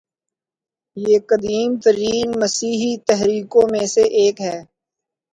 یہ قدیم ترین مسیحی تحریکوں میں سے ایک ہے